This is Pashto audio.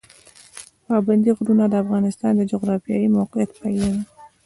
پابندی غرونه د افغانستان د جغرافیایي موقیعت پایله ده.